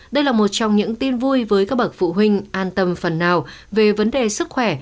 đây là một trong những tin vui với các bậc phụ huynh an tâm phần nào về vấn đề sức khỏe